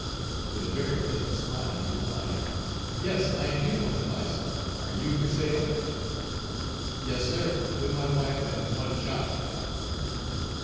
With a very pleasant smile, he replied, "Yes, I do want to buy some, are you for sale?" "Yes sir, with my wife and one child."